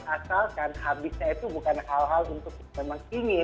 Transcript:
asalkan habisnya itu bukan hal hal untuk memang ingin